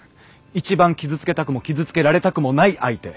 一番傷つけたくも傷つけられたくもない相手。